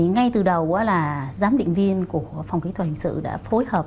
ngay từ đầu giám định viên của phòng kỹ thuật hình sự đã phối hợp